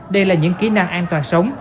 đây là những kỹ năng an toàn sống